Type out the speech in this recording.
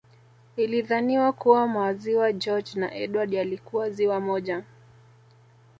Ilidhaniwa kuwa Maziwa George na Edward yalikuwa ziwa moja